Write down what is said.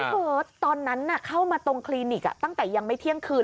เบิร์ตตอนนั้นเข้ามาตรงคลินิกตั้งแต่ยังไม่เที่ยงคืน